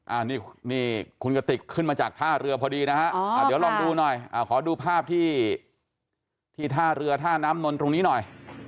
อันนี้นี่คุณกติกขึ้นมาจากท่าเรือพอดีนะฮะเดี๋ยวลองดูหน่อยขอดูภาพที่ที่ท่าเรือท่าน้ำนนท์ตรงนี้หน่อย